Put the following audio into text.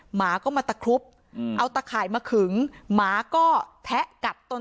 หมาก็มาตะครุบเอาตะข่ายมาขึงหมาก็แทะกัดตน